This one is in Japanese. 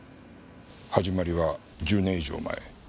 始まりは１０年以上前。